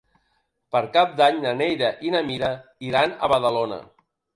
Per Cap d'Any na Neida i na Mira iran a Badalona.